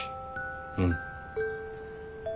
うん。